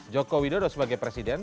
joko widodo sebagai presiden